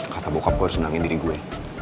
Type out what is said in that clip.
kata bokap gue harus senangin diri gue